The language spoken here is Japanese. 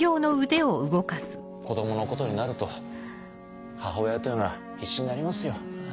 子供のことになると母親というのは必死になりますよ。